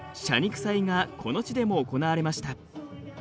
謝肉祭がこの地でも行われました。